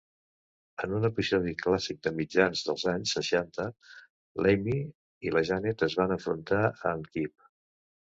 En un episodi clàssic de mitjans dels anys seixanta, l'Amy i la Janet es van enfrontar a en Kip.